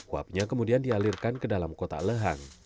uapnya kemudian dialirkan ke dalam kotak lehan